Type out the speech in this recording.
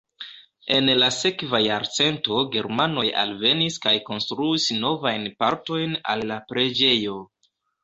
En la sekva jarcento germanoj alvenis kaj konstruis novajn partojn al la preĝejo.